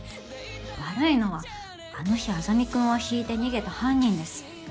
悪いのはあの日莇君をひいて逃げた犯人です。